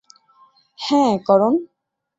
হ্যাঁঁ, করণ?